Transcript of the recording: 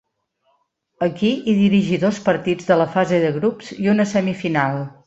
Aquí hi dirigí dos partits de la fase de grups i una semifinal.